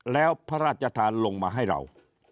แล้วพระราชทานลงมาให้เรา